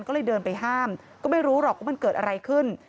ก็เลยเดินไปห้ามก็ไม่รู้หรอกว่ามันเกิดอะไรขึ้น